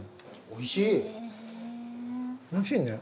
おいしいね。